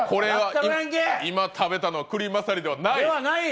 今食べたのはクリマサリではない？ではない！